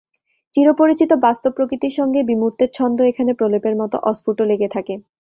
চিরপরিচিত বাস্তব প্রকৃতির সঙ্গে বিমূর্তের ছন্দ এখানে প্রলেপের মতো অস্ফুট লেগে থাকে।